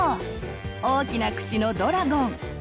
大きな口のドラゴン。